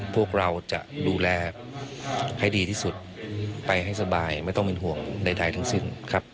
พวกเราจะดูแลให้ดีที่สุดไปให้สบายไม่ต้องเป็นห่วงใดทั้งสิ้นครับ